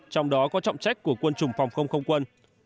trong đó có trọng trách của quân chủng phòng không không quân